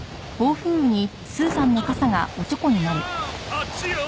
あっちよ！